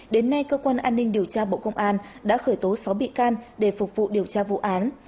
đến nay cơ quan an ninh điều tra bộ công an đã khởi tố sáu bị can để phục vụ điều tra vụ án